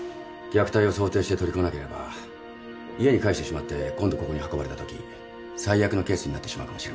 虐待を想定して取り組まなければ家に帰してしまって今度ここに運ばれたとき最悪のケースになってしまうかもしれませんから。